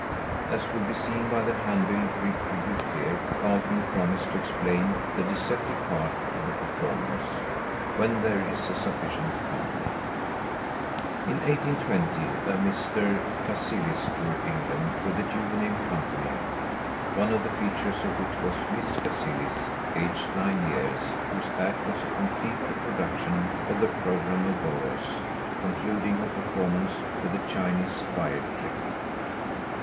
As will be seen by the handbill reproduced here, Carlton promised to explain the "Deceptive Part" of the performance, "when there is a sufficient company." In 1820 a Mr. Cassillis toured England with a juvenile company, one of the features of which was Miss Cassillis, aged nine years, whose act was a complete reproduction of the programme of Boaz, concluding her performance with the "Chinese Fire Trick."